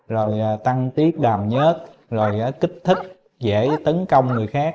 rồi tăng tiếp đàm nhớt rồi kích thích dễ tấn công người khác